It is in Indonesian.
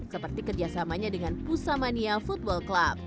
seperti kerjasamanya dengan pusamania football club